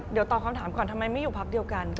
เดี๋ยวตอบคำถามก่อนทำไมไม่อยู่พักเดียวกัน